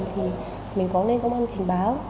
thì mình có nên có mong trình báo